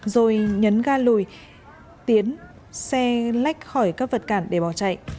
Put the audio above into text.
rồi nhấn ga lùi tiến xe lách khỏi các vật cản để bỏ chạy